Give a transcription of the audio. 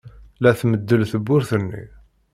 La tmeddel tewwurt-nni.